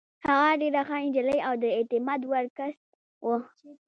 هغه ډېره ښه نجلۍ او د اعتماد وړ کس وه.